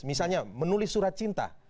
misalnya menulis surat cinta